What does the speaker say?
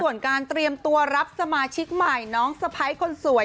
ส่วนการเตรียมตัวรับสมาชิกใหม่น้องสะพ้ายคนสวย